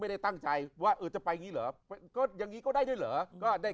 ไม่ได้ตั้งใจว่าจะไปอย่างนี้เหรอก็อย่างนี้ก็ได้ด้วยเหรอ